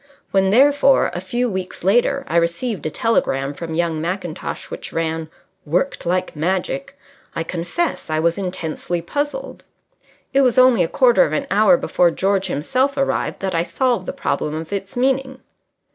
When, therefore, a few weeks later, I received a telegram from young Mackintosh which ran: Worked like magic, I confess I was intensely puzzled. It was only a quarter of an hour before George himself arrived that I solved the problem of its meaning.